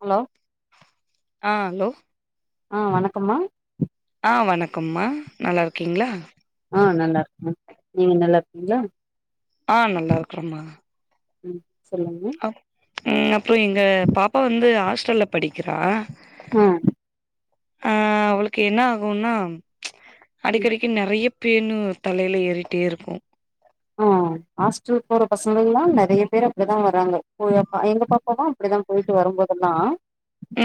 Hello ஆ hello ஆ வணக்கம்மா ஆ வணக்கம்மா நல்லாருக்கீங்ளா ஆ நல்லா இருக்கே நீங்க நல்லாருக்கீங்களா ஆ நல்லா இருக்கறோமா ம் சொல்லுங்க ம் அப்புறம் எங்க பாப்பா வந்து ஹாஸ்டல்ல படிக்கிறா ம் ஆ அவளுக்கு என்ன ஆகும்ன்னா ம். அடிக்கடிக்கு நிறைய பேனும் தலையில் ஏறிட்டே இருக்கும் ஆ ஹாஸ்டல போற பசங்கல்லாம் நிறைய பேர் அப்படிதான் வராங்க போறப்பா எங்க பாப்பாவா அப்படித்தான் போயிட்டு வரும்போதெல்லாம்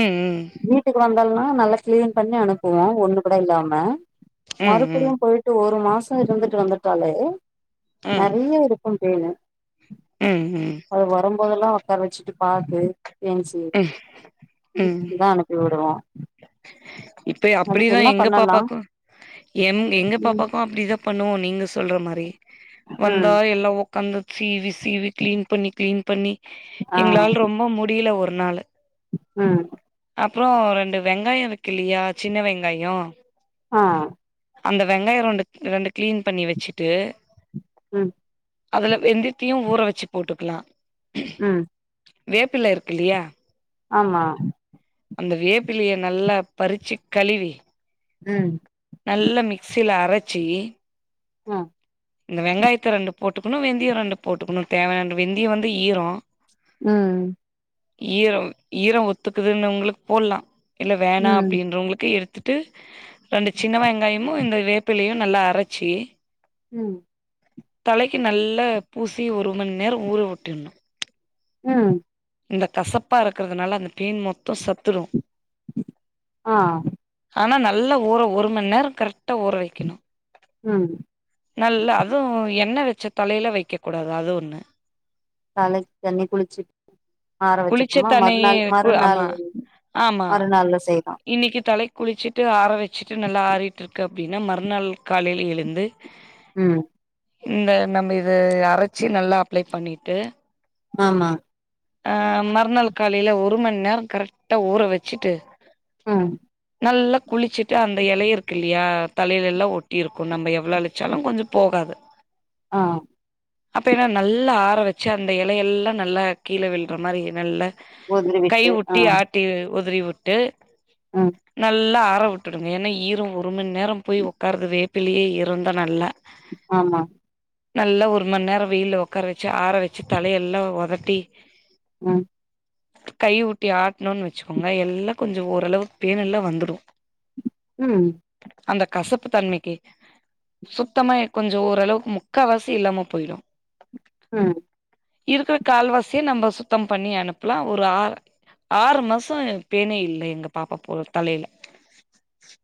ம் ம் வீட்டுக்கு வந்தாலனா நல்லா கிளீன் பண்ணி அனுப்புவோம் ஒண்ணு கூட இல்லாம ம் மறுபடியும் போயிட்டு ஒரு மாசம் இருந்துட்டு வந்துட்டாலே ம் நிறைய இருக்கும் பேன் ம் ம் அது வரும்போதெல்லாம் உக்கார வச்சுட்டு பாத்து ம் ம் ஏச்சுக்குதான் அனுப்பி விடுவோம் இப்ப அப்படிதான் எங்க பண்ணலா பாப்பாக்கும் எ எங்க ம் பாப்பாக்கும் அப்படிதான் பண்ணுவோம் நீங்க சொல்ற மாதிரி வந்தா ம் எல்லாம் உட்காந்து சீவி சீவி கிளீன் பண்ணி கிளீன் பண்ணி ஆ எங்களால ரொம்ப முடியல ஒரு நாள் ம் அப்புறம் ரெண்டு வெங்காயம் இருக்கலையா சின்ன வெங்காயம் ஆ அந்த வெங்காயம் ரெண்டு ரெண்டு கிளீன் பண்ணி வச்சிட்டு ம் அதுல வெந்தியத்தையும் ஊற வச்சு போட்டுக்கலாம் ம் வேப்பில இருக்குல்லையா ஆமா அந்த வேப்பிலைய நல்லா பறிச்சு கழுவி ம் நல்லா மிக்சியில அரைச்சி ஆ இந்த வெங்காயத்த ரெண்டு போட்டுக்கணு வெந்தியோ ரெண்டு போட்டுக்கணு தேவையான வெந்தியோ வந்து ஈரோ ம் ஈரம் ஈரம் ஒத்துக்குதுன்னுன்னவங்களுக்கு போட்லா இல்ல வேணா ம் அப்டின்றவங்களுக்கு எடுத் துட்டு ரெண்டு சின்ன வெங்காயமும் இந்த வேப்பிலையும் நல்லா அரைச்சி ம் தலைக்கி நல்லா பூசி ஒரு மண் நேரோ ஊற விட்டுணு ம் இந்த கசப்பா இருக்கிறதுனால அந்த பேன் மொத்தோ செத்துடு ஆ ஆனா நல்ல ஊற ஒரு மண நேரோ கரெக்டா ஊற வெக்கணு ம் நல்லா அதுவு எண்ணெ வெச்ச தலையையில வெக்க கூடாது அது ஒன்னு தலைக் தண்ணி குளிச்சு ஆற குளிச்ச வெச்சுருக்கமா தண்ணிய மறுநாள் கு ஆமா மறுநாள் மறுநாள்ல செய்லா இன்னைக்கி தலைக் குளிச்சிட்டு ஆற வச்சிட்டு நல்லா ஆறிட்டுருக்கு அப்டின்னா மறுநாள் காலையில எழுந்து ம் இந்த நம்ம இது அரைச்சு நல்லா அப்ளை பண்ணிட்டு ஆமா ஆ மறுநாள் காலையில ஒரு மண் நேரம் கரெக்டா ஊற வெச்சுட்டு ம் நல்லா குளிச்சிட்டு அந்த எல இருக்கில்யா தலையில எல்லா ஒட்டி இருக்கு நம்ம எவ்ளோ அலச்சாலு கொஞ்ச போகாது ஆ அப்ப என்னா நல்லா ஆற வெச்சு அந்த எலையெல்லா நல்லா கீழே விழ்ற மாரி நல்ல உதிரி கை விட்டு ஆ ஒட்டி ஆட்டி வொதரி வுட்டு ம் நல்லா ஆற விட்டுடுங்க ஏன்னா ஈரோ ஒரு மண் நேரோ போய் உக்காறது வேப்பிலயே ஈருந்தா நல்லா ஆமா நல்லா ஒரு மண் நேரம் வெயில ஒக்கார வெச்சி ஆற வெச்சி தலையெல்லா ஒதட்டி ம் கைய ஓட்டி ஆட்டணுன்னு வெச்சுக்கோங்க எல்லா கொஞ்ச ஓரளவுக்கு பேன் எல்லா வந்துடு ம் அந்த கசப்பு தன்மைக்கி சுத்தமா கொஞ்ச ஓரளவுக்கு முக்கவாசி இல்லாம போய்டு ம் இருக்கிற கால்வாசிய நம்ம சுத்தம் பண்ணி அனுப்பலா ஒரு ஆ ஆறு மாசோ பேனே இல்ல எங்க பாப்பா போல தலையில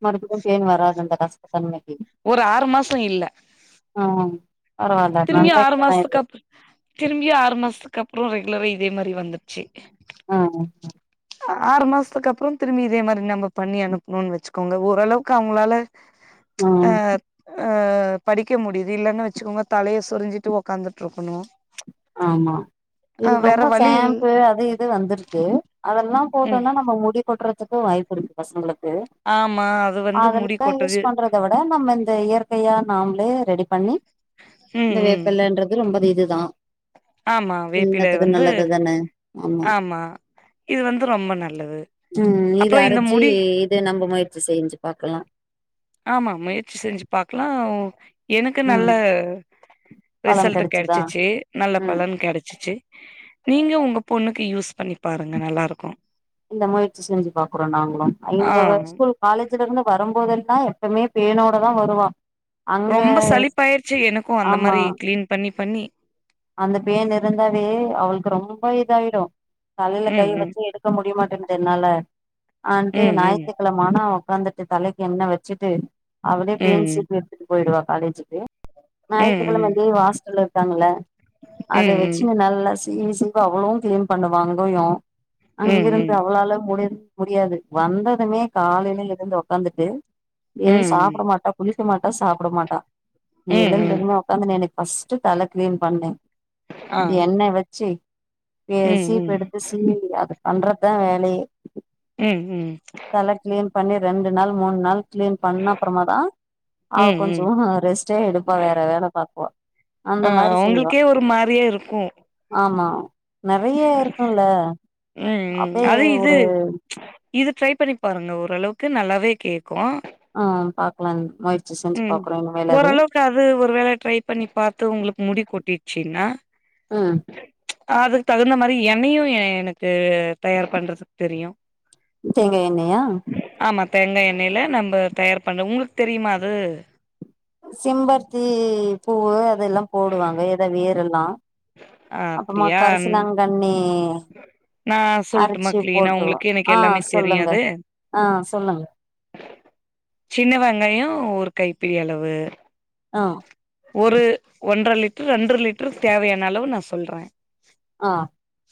மறுபடியு பேன் வராது அந்த கசப்பு தன்மைக்கி ஒரு ஆறு மாசோ இல்ல ஆ பரவால திரும்பியு நல்ல ஆறு இது தா இது மாசத்துக்கு அப் திரும்பியு ஆறு மாசத்துக்கு அப்றோ ரெகுலரா இதே மாரி வந்ருச்சி ஆ ஆ [unintelligible] ஆறு மாசத்துக்கு அப்றோ திரும்பி இதே மாரி நம்ம பண்ணி அனுப்பணுன்னு வெச்சுக்கோங்க ஓரளவுக்கு அவுங்களால ச் ஆ அஹ் ஆ படிக்க முடியுது இல்லனு வச்சுக்கோங்க தலைய சொரிஞ்சிட்டு உக்காந்துட்டு இருக்கணு ஆமா ஆ இதுக்கு வேற ரொம்ப வழி இல் ஷாம்பு அது இது வந்திருக்கு அதெல்லா ம் போட்டோம்னா நம்ம முடி கொட்டுறதுக்கு வாய்ப்புருக்கு பசங்களுக்கு ஆமா அது வந்து முடி அதுலாதா யூஸ் கொட்டுது பண்றத விட நம்ம இந்த இயற்கையா நாம்ளே ரெடி பண்ணி ம் இந்த ம் வேப்பல்லன்றது ரொம்ப இது தா ஆமா வேப்பில இன்னத்துக்கு வந்து நல்லது தானே ஆமா இது வந்து ரொம்ப நல்லது ம் இத அப்றோ இந்த அரச்சி முடி இத நம்ம மொயற்சி செஞ்சு பாக்கலா ஆமா மொயற்சி செஞ்சு பாக்கலா எனக்கு நல்ல ம் பலன் ரிசல்ட் கெடச்சுதா கெடச்சுச்சு நல்ல பலன் கெடச்சுச்சு நீங்க உங்க பொண்ணுக்கு யூஸ் பண்ணி பாருங்க நல்லாருக்கு இந்த மொயற்சி செஞ்சு பாக்குறோ நாங்களு ஆ இங்க ஸ்கூல் காலேஜ்ல இருந்து வரும்போதல்லா எப்பவுமே பேனோட தா வருவா அங்க ரொம்ப சலிப்பாயிருச்சு எனக்கு அந்த ஆமா மாரி கிளீன் பண்ணி பண்ணி அந்த பேன் இருந்தாவே அவளுக்கு ரொம்ப இதாயிடு தலையில கை ம் ம் வச்சு எடுத் ரொம்ப முடிய மாட்டேன்து என்னால அவவன்ட்டு ம் ஞாயித்துகெழம நானா உக்காந்துட்டு தலைக்கி எண்ண வச்சிட்டு அவளே பேன் ம் சீப் எடுத்துட்டு போயிடுவா காலேஜுக்கு ம் ஞாயித்துகெழம ம் லீவு ஹாஸ்டல்ல இருக்காங்கள அத வச்சு ம் நல்லா ஈசிபா அவளு கிளீன் பண்ணுவா அங்கொயு ம் அங்க இருந்து அவளால முடிய முடியாது வந்ததுமே காலையில எழுந்து உக்காந்துட்டு ம் எதுவு ம் சாப்புட மாட்டா குளிக்க மாட்டா சாப்புட மாட்டா நீ ம் ம் எழுந்ததுமே உக்காந்து எனக்கு ஃபர்ஸ்ட் தல கிளீன் பண்ணு ஆ அது எண்ணெ வச்சு ம் சீப்ப ம் எடுத்து சீவி அது பண்றதுதா வேலயே ம் ஹும் தல கிளீன் பண்ணி ரெண்டு நாள் மூணு நாள் கிளீன் பண்ண அப்புறமா தா அவ ம் கொஞ்சோ ம் ரெஸ்ட்டே எடுப்பா வேற வேல பாக்குவா அந்த ஆ மாரி செய்வா உங்களுக்கே ஒரு மாரியே இருக்கு ஆமா நிறைய இருக்குல்ல ம் ம் அப்டியே அது இது ஒரு இது ட்ரை பண்ணி பாருங்க ஓரளவுக்கு நல்லாவே கேக்கு ஆஹ் பாக்கலா முயற்சி செஞ்சு ம் பாக்குறே ஓரளவுக்கு அது ஒரு வேளை ட்ரை பண்ணி பாத்து உங்களுக்கு முடி கொட்டிருச்சின்னா உம் அதுக்கு தகுந்த மாரி எண்ணயு எனக்கு தயார் பண்றதுக்கு தெரியு தேங்கா எண்ணயா ஆமா தேங்கா எண்ணெயில நம்ம தயார் பண்வோ உங்களுக்கு தெரியுமா அது செம்பருத்தி பூவு அதெல்லா போடுவாங்க எதோ வேரெல்லா ஆ ஆமா அப்டியா கரிசிலாங்கண்ணி நா சொல்ட்டுமா அரச்சி கிளீனா போட்ருவோ உங்களுக்கு எனக்கு ஆஹ் எல்லாமே சொல்லுங்க தெரியாது ஆஹ் சொல்லுங்க சின்ன வெங்காயோ ஒரு கைப்புடி அளவு ஆஹ் ஒரு ஒன்றர லிட்டரு ரெண்டர லிட்டருக்கு தேவையான அளவு நா சொல்றே ஆஹ்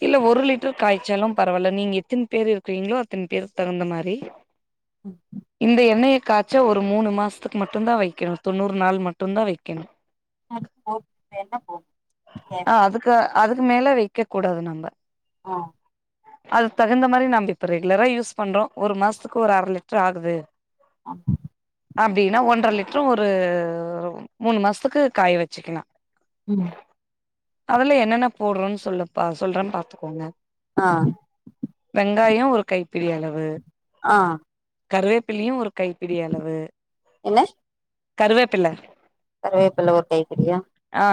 இல்ல ஒரு லிட்டர் காய்ச்சாலு பரவால்ல நீங்க எத்தன பேர் இருக்கிறீங்களோ அத்தன பேருக்கு தகுந்த மாரி ம் இந்த எண்ணெய காய்ச்சி ஒரு மூணு மாசத்துக்கு மட்டுந்தா வைக்கணு தொண்ணூறு நாள் மட் ட்டுந்தா வைக்கணு போ வேண்ட போ [inaudible] ஆ அதுக்கு அதுக்கு மேல வைக்க கூடாது நம்ப ஆ உ அது தகுந்த மாரி நம் இப்ப ரெகுலரா யூஸ் பண்றோ ஒரு மாசத்துக்கு ஒரு அர லிட்ரு ஆகுது ஆ அப்டின்னா ஒன்ற லிட்ரு ஒரு மூணு மாசத்துக்கு காய வச்சுக்கலா ம் அதுல என்னென்ன போட்றோன் சொல்லு சொல்றேன் பாத்துக்கோங்க ஆ வெங்காயோ ஒரு கைப்பிடி அளவு ஆ கருவேப்பிலியு ஒரு கைப்பிடி அளவு என்ன கருவேப்பிள கருவேப்பில ஒரு கைப்பிடியா ஆ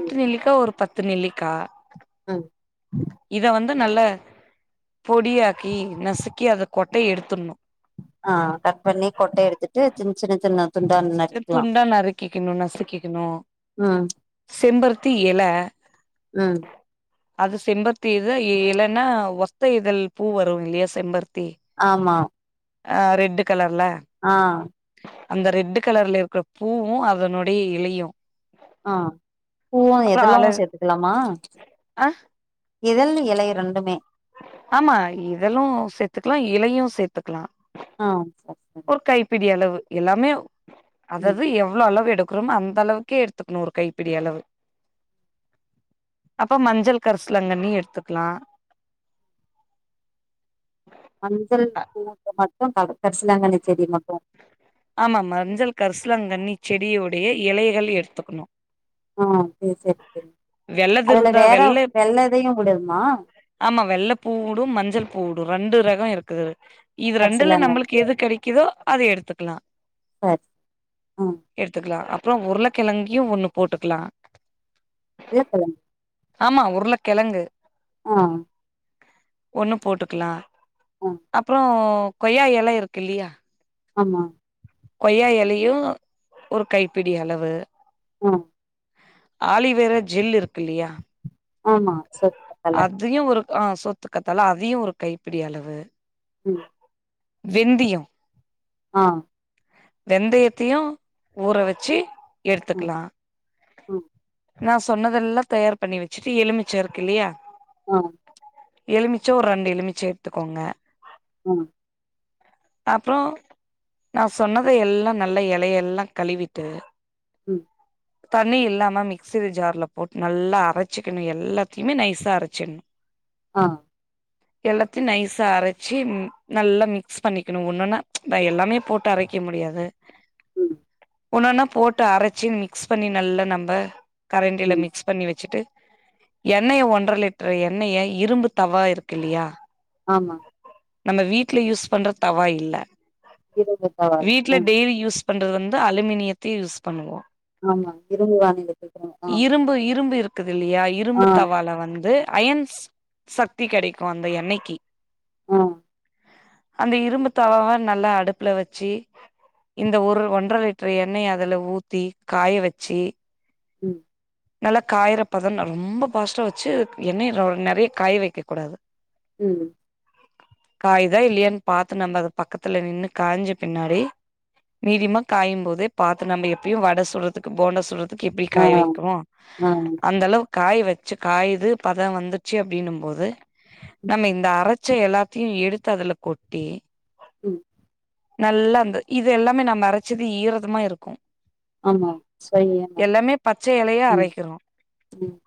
ம் நெல்லிக்கா ஒரு பத்து நெல்லிக்கா ம் இத வந்து நல்ல பொடியாக்கி நசுக்கி அத கொட்டைய எடுத்துர்ணு ஆ கட் பண்ணி கொட்ட எடுத்துட்டு சின்ன சின்ன சின்ன துண்டா நறுக்கிக்கலா எடுத்துட் துண்டா நறுக்கிக்கிணு நசுக்கிக்கிணு அ செம்பருத்தி எல அது செம்பருத்தி இத எலன்னா ஒத்த இதழ் பூ வரு இல்லயா செம்பருத்தி ஆமா ஆ ரெட்டு கலர்ல ஆ அந்த ரெட்டு கலர்ல இருக்குற பூவு அதனுடைய இலையு ஆ பூவு அப்புற எதழு அல சேத்துக்கலாமா ஆ இதழ் எலயு ரெண்டுமே ஆமா இதழு சேத்துக்கலா இலையு சேத்துக்கலா ஆ [inaudible] ஒரு கைப்பிடி அளவு எல்லாமே ம் அததது எவ்ளோ அளவு எடுக் குறோமோ அந்த அளவுக்கே எடுத்துக்குணு ஒரு கைப்பிடி அளவு அப்ப மஞ்சள் கரிசாலாங்கண்ணி எடுத்துக்கலா மஞ்சள் [inaudible] பூவு மட்டு கர் கரிசலாங்கண்ணி செடி மட்டு ஆமா மஞ்சள் கரிசலாங்கண்ணி செடியோடைய இலைகள் எடுத்துக்கணு ஆ சேரி சேரி சேரி வெள்ளது அதுல இருந்தா வேற வெள்ள வெள்ளதயு விடமா ஆமா வெள்ள பூ உடு மஞ்சள் பூ உடு ரெண்டு ரெகோ இருக்கு இதுல இது ரெண்டுல கரிசலாங்கண்ணில நம்புளுக்கு எது கெடைக்குதோ அது எடுத்துக்லா சரி ம் எடுத்துக்கலா அப்றோ உருளக்கிழங்கியு ஒன்னு போட்டுக்லா இல்லப் பள்ளம் ஆம்மா உருளக்கெழங்கு அ ஒண்ணு போட்டுக்லா ஆ அப்புற கொய்யா எல இருக்குல்லியா ஆம்மா கொய்யா எலயு ஒரு கைப்பிடி அளவு அ ஆலிவ்வேரா ஜெல் இருக்குல்லியா ஆம்மா ட்ஸ் ஓக் அதியு ஒரு ஆ சோத்துக்கத்தாழ அதியு ஒரு கைப்பிடி அளவு ம் வெந்திய ஆ வெந்தயத்தையு ஊற வெச்சி ம் எடுத்துக்கலா ம் நா சொன்னதெல்லா தயார் பண்ணி வெச்சிட்டு எலுமிச்ச இருக்குல்லயா அ எலுமிச்ச ஒரு ரெண்டு எலுமிச்ச எட்த்துக்கோங்க அ அப்ற நா சொன்னத எல்லா நல்ல எலயெல்லா கழுவிட்டு ம் தண்ணி இல்லாம மிக்சி ஜார்ல போட்டு நல்லா அரைச்சிக்கணு எல்லாத்தையுமே நைஸ் த்த அரச்சின்னோ அ எல்லாத்தியு நைஸ்ஸா அரச்சி நல்லா மிக்ஸ் பண்ணிக்கணு ஒன்னன்னா ந எல்லாமே போட்டு அரை க்க முடியாது ம் ஒன்னொன்னா போட்டு அரைச்சு மிக்ஸ் பண்ணி நல்லா நம்ப கரண்டில ம் மிக்ஸ் பண்ணி வெச்சுட்டு எண்ணெய ஒன்ற லிட்டர் எண்ணய இரும்பு தவா இருக்கு இல்லியா ஆம்மா நம்ப வீட்ல யூஸ் பண்ற தவா இல்ல இரும்பு தவால. ஆ வீட்ல டெய்லியூஸ் பண்றது வந்து அலுமினியத்தை யூஸ் பண்ணுவோ ஆம்மாங் இரும்பு வானலிப்பொய் போ அ இரும்பு இரும்பு இர் குதுல்லையா இரும்பு தவால வந்து அயன்ஸ் சக்தி கெடைக்கு அந்த என்னைக்கு அ அந்த இரும்பு தாவாவ நல்லா அடுப்புல வச்சு இந்த ஒரு ஒன்ற லிட்டர் எண்ணெய அதல ஊத்தி காய வெச்சு ம் நல்லா காயுற பதம் ரொம்ப பாஸ்ட்டா வெச்சு எண்ணய ரொ நறைய காய வெக்கக்கூடாது ம் காய்தா இல்லியான் பாத்து நம்மஅத பக்கத்துல நின்னு காஞ்ச பின்னாடி மீடியமா காயும்போது பாத்து நம்ம எப்பாயு வட சுட்றதுக்கு போண்டா சுட்றதுக்கு எப்படி காய வெக்குவோ நான் அந்த அளவுக்கு காய வச்சு காயுது பதம் வந்துச்சு அப்டின்னும் போது ம். நம்ம இந்த அர ச்ச எல்லாத்தையு எடுத்து அதுல கொட்டி உம் நல்லா அந்த இதெல்லாமே நம்ம அரச்சது ஈரதமா இருக்கு ஆமா. சரியான. எல்லாமே பச்ச எலையா ம். அரைக்கிறோ ம்.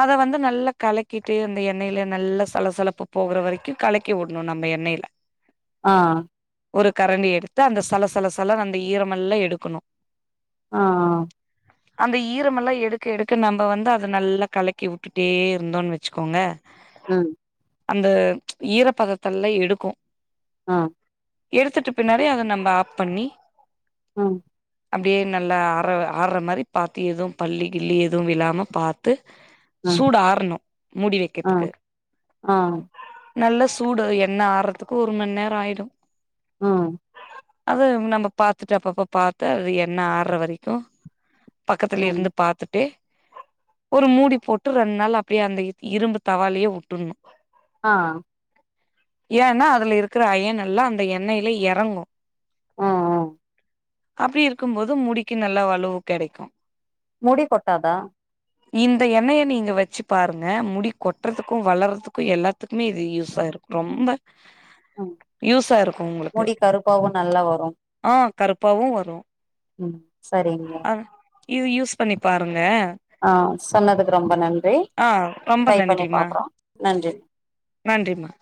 அத வந்து நல்லா கலக்கிட்டு அந்த எண்ணெயில நல்லா சலசலப்பு போகற வரைக்கு கலக்கி வுடணு நம்ம எண்ணெயில ஆ ஒரு கரண்டி எடுத்து அந்த சல சல சல அந்த ஈரமெல்ல எடுக்கணு ஆ ஆ அந்த ஈரமெல்லா எடுத் எடுக்க நம்ம வந்து அத நல்லா கலக்கி விட்டுட்டே இருந்தோன்னு வச்சுக்கோங்க ம் அந்த ஈரப்பதத்தல்ல எடுக்கு அ எடுத்துட்டு பின்னாடி அத நம்ம ஆப் பண்ணி ம் அப்டியே நல்லா ஆற ஆட்ற மாரி பாத்தி எதுவு பள்ளி கில்லி எதுவு விலாம பாத்து ஆ. சூடு ஆறணு முடி ஆ. வெக்கத்துக்கு ஆ. நல்லா சூடு எண்ணெ ஆற்துக்கு ஒரு மண் நேரொ ஆய்டு ம் அது நம்ம பாத்துட்டு அப்பப்ப பாத்து அது என்ன ஆட்ற வரக்கு பக்கத்துல ம். ருந்து பாத்துட்டெ ஒரு மூடி போட்டு ரெண்டு நாள் அப்டியே அந்த இரும்பு தவாலயே வுட்டுணு ஆஅ ஏன்னா அதுல இருக்குற அயன் எல்லா அந்த எண்ணெயில எறங்கு அ அ அப்டி இருக்கும்போது முடிக்கு நல்ல வலுவு கெடைக்கு முடி கொட்டாதா இந்த எண்ணெய நீங்க வச்சு பாருங்க முடி கொட்டுறதுக்கு வளர்றதுக்கு எல்லாத்துக்குமே இது யூஸ்ஸாருக் ரொம்ப ம். யூஸாருக்கு உங்களுக்கு முடி கருப்பாவும் நல்லா வரும். ஆ கருப்பாவு வரு ம் சரிங்க ஆ இது யூஸ் பண்ணி பாருங்க ஆ சொன்னதுக்கு ரொம்ப நன்றி ஆ ரொம்ப ட்ரை பண்ணி பாக்குறோ நன்றி நன்றிம்மா